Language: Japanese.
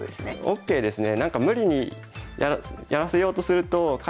ＯＫですね。